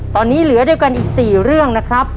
ตอนนี้เหลือด้วยกันอีก๔เรื่องนะครับ